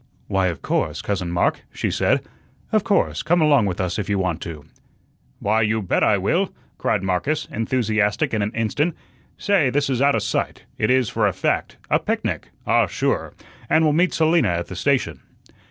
"Why, of course, Cousin Mark," she said; "of course, come along with us if you want to." "Why, you bet I will," cried Marcus, enthusiastic in an instant. "Say, this is outa sight; it is, for a fact; a picnic ah, sure and we'll meet Selina at the station."